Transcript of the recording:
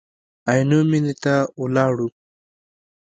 عینو مېنې ته ولاړو.